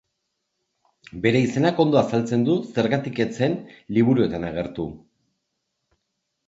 Bere izenak ondo azaltzen du zergatik ez zen liburuetan agertu.